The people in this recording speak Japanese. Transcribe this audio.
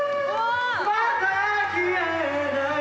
まだ消えない